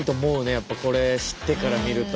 やっぱこれ知ってから見ると。